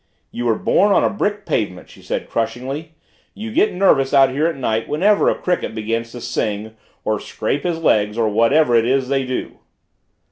"You were born on a brick pavement," she said crushingly. "You get nervous out here at night whenever a cricket begins to sing or scrape his legs or whatever it is they do!"